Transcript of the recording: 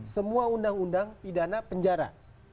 semua undang undang pidana penjara